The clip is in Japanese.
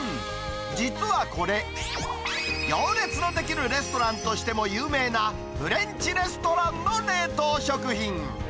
実はこれ、行列の出来るレストランとしても有名な、フレンチレストランの冷凍食品。